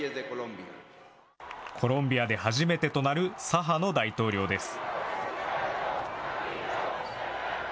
コロンビアで初めてとなる左派の大統領です。